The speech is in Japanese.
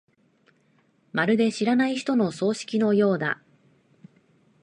まるで知らない人の葬式のようだ。